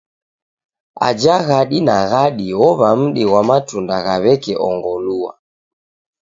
Aja ghadi na ghadi owa mdi ghwa matunda gha weke ongolua.